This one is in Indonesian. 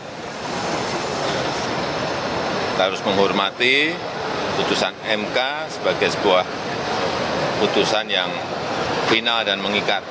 kita harus menghormati putusan mk sebagai sebuah putusan yang final dan mengikat